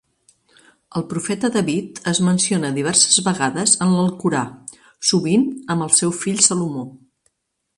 El profeta David es menciona diverses vegades en l'Alcorà, sovint amb el seu fill Salomó.